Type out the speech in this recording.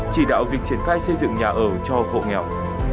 chỉ đạo việc triển khai xây dựng nhà ở cho hộ nghèo